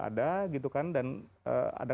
ada gitu kan dan ada